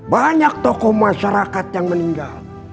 banyak tokoh masyarakat yang meninggal